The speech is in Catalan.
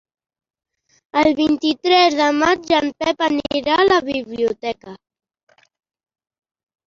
El vint-i-tres de maig en Pep anirà a la biblioteca.